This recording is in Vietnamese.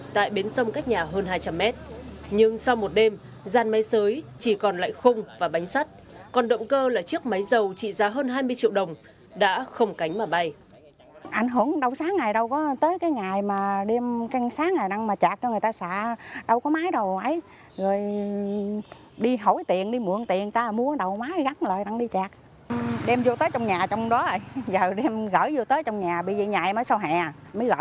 tại ấp bốn xã thuận hòa huyện long mỹ thường xuyên để dàn sới đất có gắn động cơ